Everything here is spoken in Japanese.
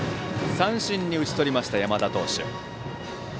三振に打ち取りました、山田投手。